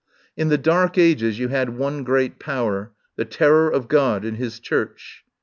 In the Dark Ages you had one great power — the ter ror of God and His Church.